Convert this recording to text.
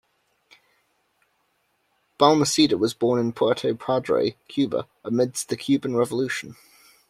Balmaseda was born in Puerto Padre, Cuba amidst the Cuban Revolution.